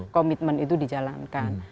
komitmen itu dijalankan